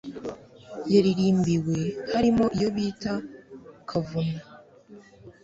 yaririmbiwe harimo iyobita kavuna